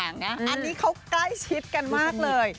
อันนี้เขาใกล้ชิดกันมากเลย